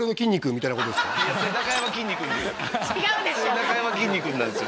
なかやまきんに君なんです